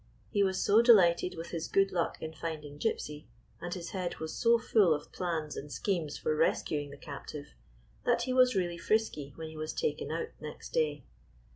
He was so delighted with his good luck in finding Gypsy, and his head was so full of plans and schemes for rescuing the captive, that he was really frisky when he was taken out next day.